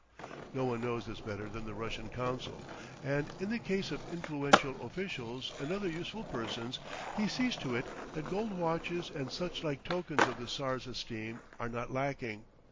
No one knows this better than the Russian consul; and in the case of influential officials and other useful persons, he sees to it that gold watches and such like tokens of the Czar's esteem are not lacking.